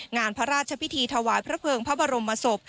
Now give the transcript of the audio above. ก็จะพิธีถวายพระเผิงพระบรมมศพ